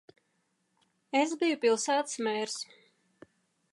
Es biju pilsētas mērs.